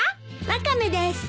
ワカメです。